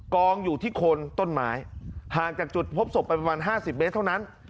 กองอยู่ที่โคนต้นไม้ห่างจากจุดพบศพไปประมาณ๕๐เมตรเท่านั้น